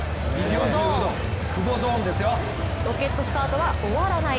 ロケットスタートは終わらない。